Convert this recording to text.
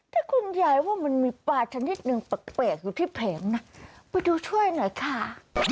ถ้าคุณยายว่ามันมีปลาชนิดหนึ่งแปลกอยู่ที่แผงนะไปดูช่วยหน่อยค่ะ